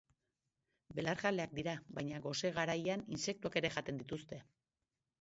Belarjaleak dira, baina gose garaian intsektuak ere jaten dituzte.